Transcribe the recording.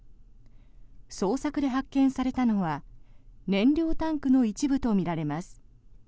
捜索で発見されたのは燃料タンクの一部とみられます。